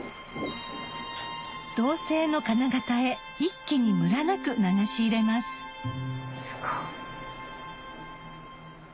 銅製の金型へ一気にむらなく流し入れますすごい。